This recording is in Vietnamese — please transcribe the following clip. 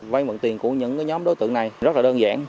vay mượn tiền của những nhóm đối tượng này rất là đơn giản